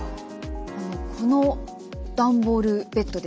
この段ボールベッドですね